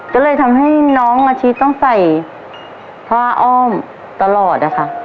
ก็เลยทำให้น้องอาชิต้องใส่ผ้าอ้อมตลอดอะค่ะ